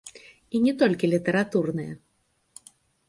І не толькі літаратурныя.